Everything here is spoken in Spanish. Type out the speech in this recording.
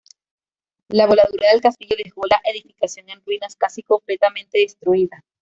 La voladura del castillo dejó la edificación en ruinas, casi completamente destruida.